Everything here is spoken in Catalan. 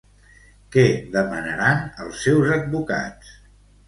Què demanaran els seus advocats?